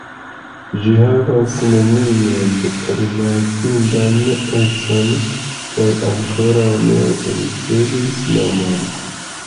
Ĝi havas nenian rimarkindan econ kaj ankoraŭ ne ricevis nomon.